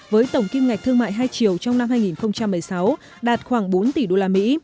với tổng kim ngạch thương mại hai triệu trong năm hai nghìn một mươi sáu đạt khoảng bốn tỷ đô la mỹ